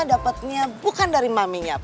dapatnya bukan dari maminya